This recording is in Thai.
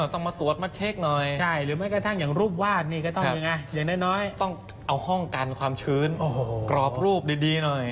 ต้องมาตรวจมาเช็คหน่อยหรือแม้กระทั่งอย่างรูปวาดนี่ก็ต้องอย่างน้อยต้องเอาห้องกันความชื้นกรอบรูปดีหน่อย